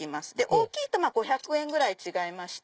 大きいと５００円ぐらい違いまして。